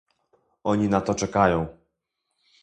Oni na to czekają